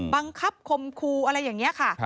บังคับคมคูอะไรอย่างนี้ค่ะ